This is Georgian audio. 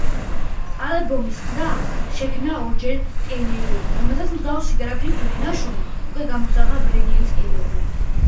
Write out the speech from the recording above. ალბომის ყდა შექმნა როჯერ ტეილორმა, რომელმაც მსგავსი გრაფიკული ნაშრომი უკვე გამოსახა ბერლინის კედელზე.